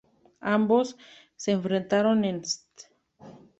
Ambos se enfrentaron en St.